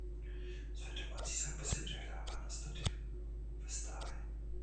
Své domácí zápasy odehrává na stadionu ve Stáji.